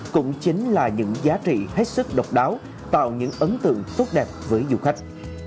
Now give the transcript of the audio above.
cũng chính là những giá trị hết sức độc đáo tạo những ấn tượng tốt đẹp với du khách